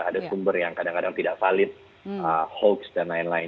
ada sumber yang kadang kadang tidak valid hoax dan lain lain